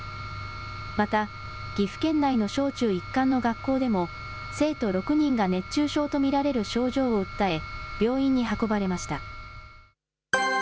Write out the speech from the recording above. また、岐阜県内の小中一貫の学校でも、生徒６人が熱中症と見られる症状を訴え、病院に運ばれました。